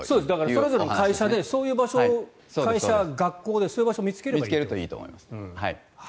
それぞれそういう場所を会社、学校でそういう場所を見つけるといいと思います。